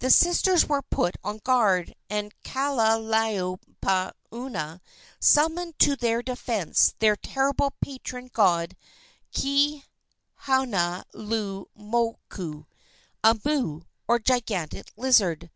The sisters were put on guard, and Kahalaomapuana summoned to their defence their terrible patron god Kihanuilulumoku, a moo, or gigantic lizard.